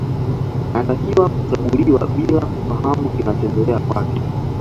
Anatakiwa kuchaguliwa bila kufahamu kinachoendelea kwake